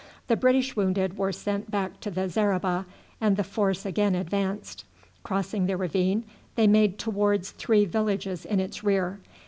The British wounded were sent back to the zareba, and the force again advanced. Crossing the ravine they made towards three villages in its rear.